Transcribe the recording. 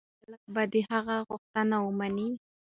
ایا خلک به د هغه غوښتنې ومني؟